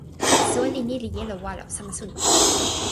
soweli ni li jelo walo sama suno.